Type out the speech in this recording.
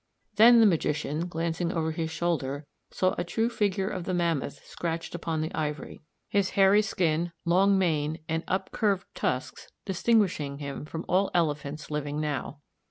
Then the magician, glancing over his shoulder, saw a true figure of the mammoth scratched upon the ivory, his hairy skin, long mane, and up curved tusks distinguishing him from all elephants living now.